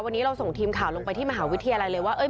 วันนี้เราส่งทีมข่าวลงไปที่มหาวิทยาลัยเลยว่า